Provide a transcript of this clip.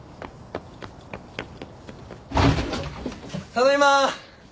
・ただいま。